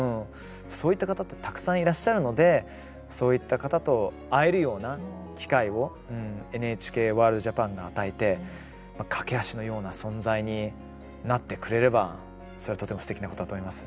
そういった方ってたくさんいらっしゃるのでそういった方と会えるような機会をＮＨＫワールドＪＡＰＡＮが与えて、懸け橋のような存在になってくれればそれはとてもすてきなことだと思います。